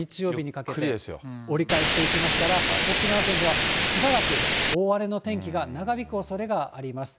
折り返していきますから、沖縄県ではしばらく大荒れの天気が長引くおそれがあります。